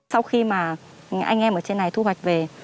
sau khi mà anh em ở trên này thu hoạch về